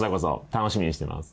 楽しみにしています。